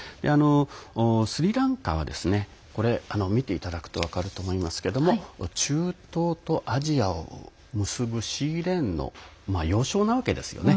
スリランカは見ていただくと分かりますが中東とアジアを結ぶシーレーンの要衝なわけですよね。